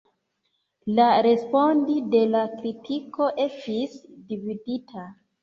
La respondi de la kritiko estis dividita.